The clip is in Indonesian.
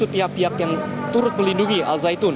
pihak pihak yang turut melindungi al zaitun